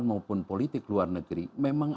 maupun politik luar negeri memang